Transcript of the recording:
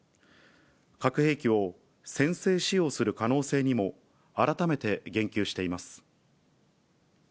核兵器を先制使用する可能性にも改めて言及しています。